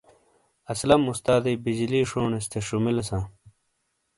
اسلم استادیئی بجلی شونیس تھے شومیلیساں۔